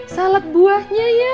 salad buahnya ya